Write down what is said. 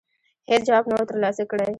هېڅ جواب نه وو ترلاسه کړی.